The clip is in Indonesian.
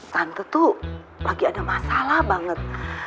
tante tuh lagi ada masalah banget